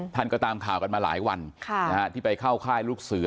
ท่านก็ตามข่าวกันมาหลายวันที่ไปเข้าค่ายลูกเสือ